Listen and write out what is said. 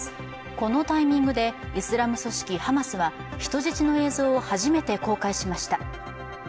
このタイミングでイスラム組織ハマスは人質の映像を初めて公開しました。